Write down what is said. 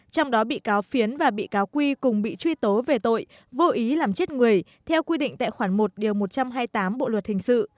trong đó bị cáo phiến và bị cáo quy cùng bị truy tố về tội vô ý làm chết người theo quy định tại khoản một một trăm hai mươi tám bộ luật hình sự